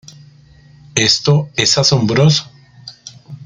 Esto es asombroso".